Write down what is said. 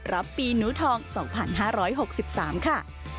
รับปีหนูทอง๒๕๖๓ค่ะ